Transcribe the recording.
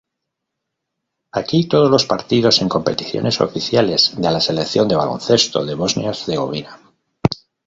Aquí, todos los partidos en competiciones oficiales de la Selección de baloncesto de Bosnia-Herzegovina.